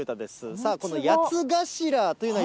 さあ、この八つ頭というのは、